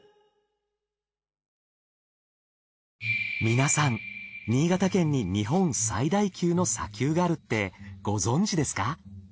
皆さん新潟県に日本最大級の砂丘があるってご存じですか？